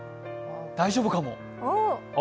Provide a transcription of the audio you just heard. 大丈夫かも。